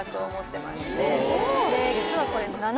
実はこれ。